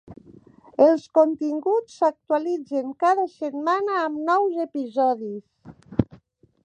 Els continguts s'actualitzen cada setmana amb nous episodis.